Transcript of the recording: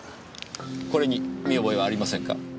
これに見覚えはありませんか？